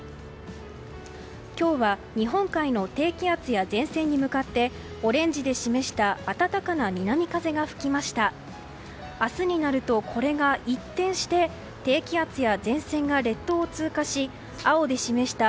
今日は日本海の低気圧や前線に向かってオレンジで示した暖かな南風が吹きました。